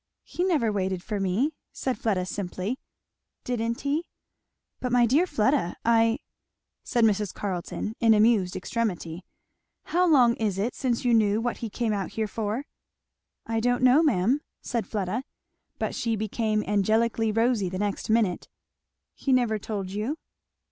"He never waited for me," said Fleda simply. "Didn't he? But my dear Fleda I " said Mrs. Carleton in amused extremity, "how long is it since you knew what he came out here for?" "I don't know now, ma'am," said Fleda. But she became angelically rosy the next minute. "He never told you?"